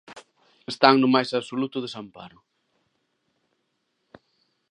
Están no máis absoluto desamparo.